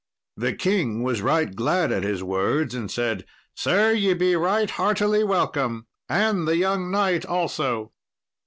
The king was right glad at his words, and said, "Sir, ye be right heartily welcome, and the young knight also."